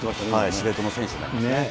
司令塔の選手になりますね。